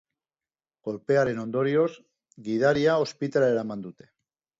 Kolpearen ondorioz, gidaria ospitalera eraman dute.